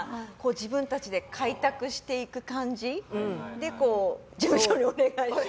自分たちで開拓していく感じで事務所にお願いして。